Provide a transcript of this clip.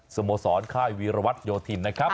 สโมสรไคร่ระวัตยโธนนะครับ